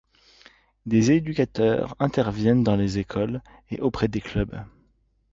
Des éducateurs interviennent dans les écoles et auprès des clubs.